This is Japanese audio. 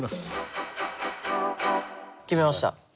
決めました。